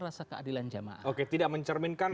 rasa keadilan jamaah oke tidak mencerminkan